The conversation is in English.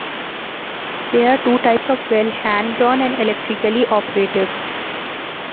There are two types of well; hand drawn and electrically operated.